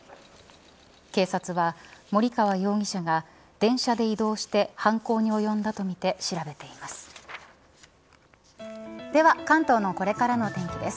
警察は森川容疑者が電車で移動して犯行におよんだとみて調べています。